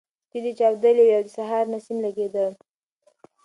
سپېدې چاودلې وې او د سهار نسیم لګېده.